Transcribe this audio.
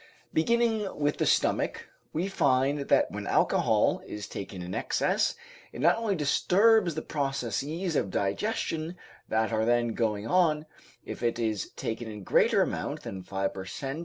Beginning with the stomach, we find that when alcohol is taken in excess it not only disturbs the processes of digestion that are then going on, if it is taken in greater amount than five per cent.